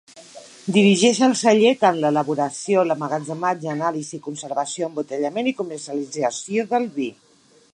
Dirigeix al celler tant l'elaboració, l'emmagatzematge, anàlisi, conservació, embotellament i comercialització del vi.